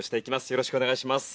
よろしくお願いします。